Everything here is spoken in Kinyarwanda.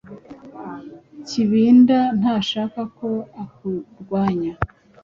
Kibinda ntashaka ko akurwanya.